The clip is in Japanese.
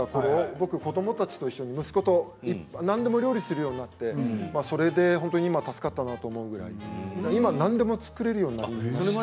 僕、子どもたちと一緒に息子と何でもするようになってそれが助かってるなって何でも作れるようになりました。